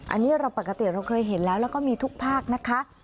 อันนี้เราปกติเราเคยเห็นแล้วแล้วก็มีทุกภาคนะคะ